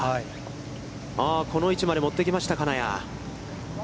この位置まで持ってきました、金谷。